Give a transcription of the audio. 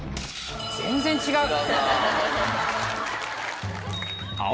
全然違う。